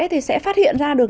thì sẽ phát hiện ra được